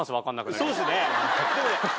そうですね。